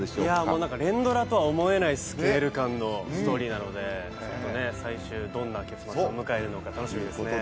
もう何か連ドラとは思えないスケール感のストーリーなので最終どんな結末を迎えるのか楽しみですね